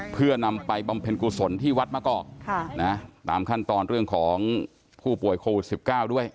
เพื่อนำไปบำเพ็ญกุศลที่วัดมะกอกตามขั้นตอนเรื่องของผู้ป่วยโควิด๑๙ด้วย